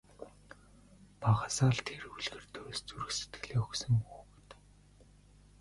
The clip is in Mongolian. Багаасаа тэр үлгэр туульст зүрх сэтгэлээ өгсөн хүүхэд.